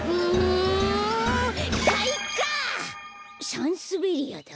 サンスベリアだ。